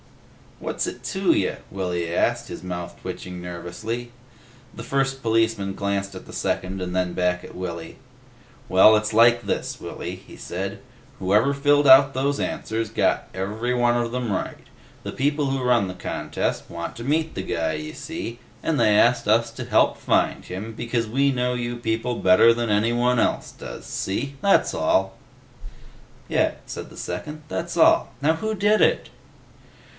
"What's it to ya?" Willy asked, his mouth twitching nervously. The first policeman glanced at the second and then back at Willy. "Well, it's like this, Willy," he said. "Whoever filled out those answers got every one of them right. The people who run the contest want to meet the guy, see? And they asked us to help find him because we know you people better than anyone else does. See? That's all!" "Yeh," said the second. "That's all. Now who did it?"